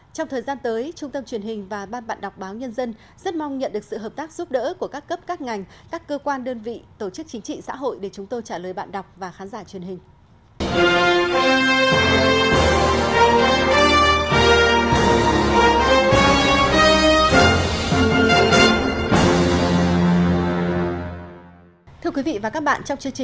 trong thời gian tới trung tâm truyền hình và ban bạn đọc báo nhân dân rất mong nhận được sự hợp tác giúp đỡ của các cấp các ngành các cơ quan đơn vị tổ chức chính trị xã hội để chúng tôi trả lời bạn đọc và khán giả truyền hình